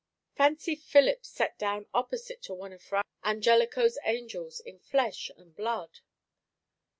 Fancy Philip set down opposite to one of Fra Angelico's angels in flesh and blood!"